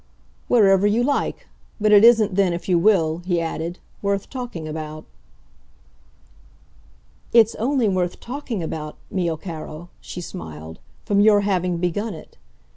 "Wherever you like. But it isn't then, if you will," he added, "worth talking about." "It's only worth talking about, mio caro," she smiled, "from your having begun it.